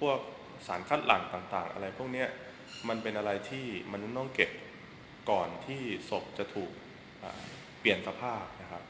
พวกสารคัดหลังต่างอะไรพวกนี้มันเป็นอะไรที่มนุษย์ต้องเก็บก่อนที่ศพจะถูกเปลี่ยนสภาพนะครับ